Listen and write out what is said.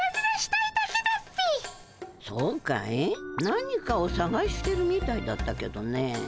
何かをさがしてるみたいだったけどね。